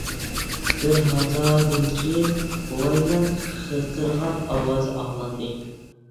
بىرھازادىن كېيىن بوۋاينىڭ خىرقىرىغان ئاۋازى ئاڭلاندى.